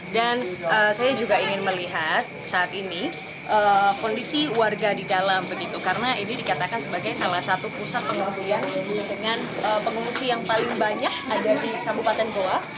dan saya juga ingin melihat saat ini kondisi warga di dalam karena ini dikatakan sebagai salah satu pusat pengumusian dengan pengumusian yang paling banyak ada di kabupaten goa